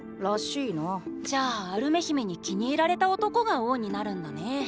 じゃあアルメ姫に気に入られた男が王になるんだね。